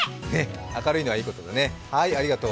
明るいのはいいことだね！